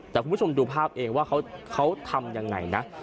แต่คุณผู้ชมดูภาพเองว่าเขาทำยังไงนะ